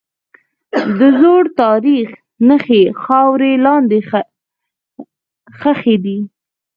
د زوړ تاریخ نښې خاورې لاندې ښخي دي.